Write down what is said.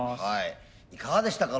いかがでしたか？